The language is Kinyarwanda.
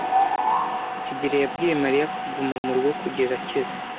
kigeli yabwiye Mariya kuguma mu rugo kugeza akize.